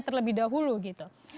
terlebih dahulu gitu